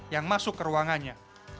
yang masuk ke ruangannya